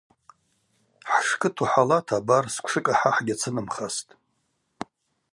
Хӏшкыту хӏалата абар сквшыкӏ ахӏа хӏгьацынымхастӏ.